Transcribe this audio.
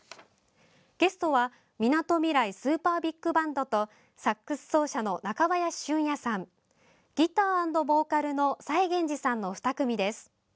ゲストは、みなとみらいＳｕｐｅｒＢｉｇＢａｎｄとサックス奏者の中林俊也さんギター＆ボーカルのサイゲンジさんの２組です。